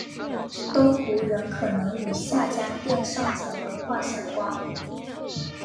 东胡人可能与夏家店上层文化相关。